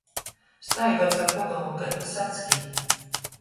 Staigoj caur pogolmu kai pasackī.